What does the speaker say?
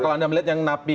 kalau anda melihat yang napi